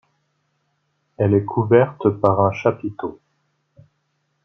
Elle est couverte par un chapiteau.